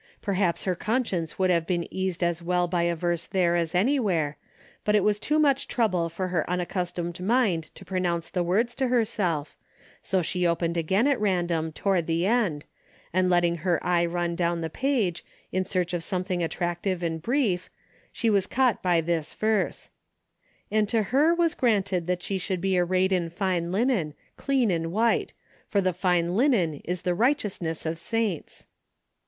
Perhaps her con 252 DAILY RATEI^ science would have been eased as well by a verse there as anywhere, but it was too much trouble for her unaccustomed mind to pro nounce the words to herself, so she opened again at random toward the end, and letting her eye run down the page in search of some thing attractive and brief, she was caught by this verse : "And to her was granted that she should be arrayed in fine linen, clean and white : for the fine linen is the righteousness of saints.